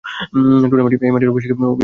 টুর্নামেন্টটি এই মাঠের অভিষেক আয়োজন।